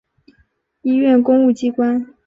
医院公务机关